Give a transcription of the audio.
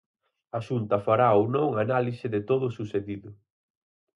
A Xunta fará ou non a análise de todo o sucedido.